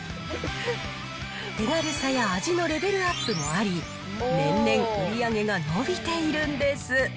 手軽さや味のレベルアップもあり、年々、売り上げが伸びているんです。